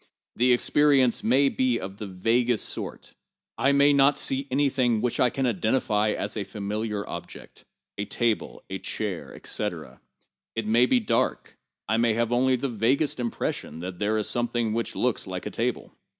The experience may be of the vaguest sort. I may not see any thing which I can identify as a familiar objectŌĆö a table, a chair, etc. It may be dark; I may have only the vaguest impression that there is something which looks like a table.